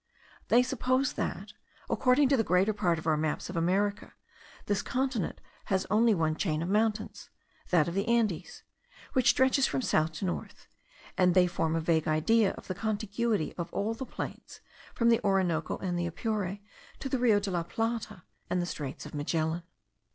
They suppose that, according to the greater part of our maps of America, this continent has only one chain of mountains, that of the Andes, which stretches from south to north; and they form a vague idea of the contiguity of all the plains from the Orinoco and the Apure to the Rio de la Plata and the Straits of Magellan.